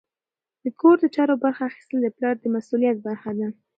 د کور د چارو برخه اخیستل د پلار د مسؤلیت برخه ده.